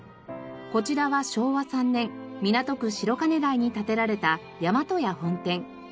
こちらは昭和３年港区白金台に建てられた大和屋本店。